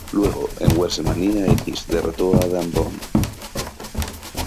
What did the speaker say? Luego, en Wrestlemania X, derrotó a Adam Bomb.